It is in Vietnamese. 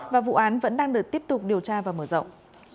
và vụ án vẫn đang được tiếp tục điều tra và mở rộng